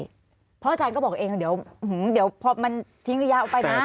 เพราะอาจารย์ก็บอกเองเดี๋ยวพอมันทิ้งระยะออกไปนะ